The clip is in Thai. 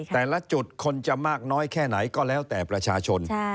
แต่ละจุดคนจะมากน้อยแค่ไหนก็แล้วแต่ประชาชน